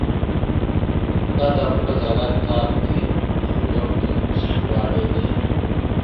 ستا دا پټ عضلات طاق دي او یو دې سوباړی دی.